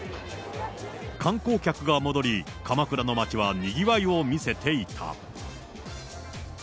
観光客が戻り、鎌倉の街はにぎわいを見せていた。